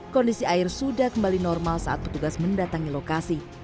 kondisi air sudah kembali normal saat petugas mendatangi lokasi